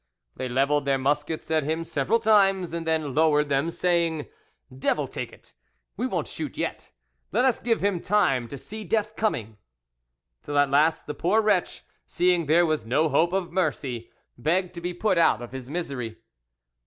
They levelled their muskets at him several times, and then lowered them, saying; "Devil take it, we won't shoot yet; let us give him time to see death coming," till at last the poor wretch, seeing there was no hope of mercy, begged to be put out of his misery.